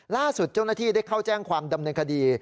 ล่าสุดเจ้าหน้าที่ได้เข้าแจ้งความดำเนินคดี